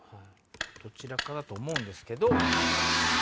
どちらかだと思うんですけど。